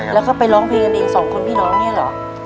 แล้วก็ไปร้องเพลงกันเองสองคนพี่น้องเนี่ยเหรอ